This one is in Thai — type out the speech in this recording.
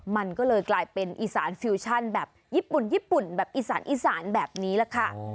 มันก็เลยกลายเป็นอีสานฟิวชั่นแบบญี่ปุ่นแบบอีสานแบบนี้แหละค่ะ